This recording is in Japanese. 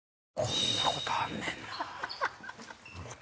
こんなことあんねんな。